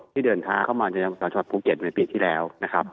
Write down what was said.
ที่เดินค้าเข้ามาในจังหวัดภูเก็ตในปีที่แล้วนะครับ